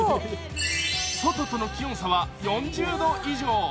外との気温差は４０度以上。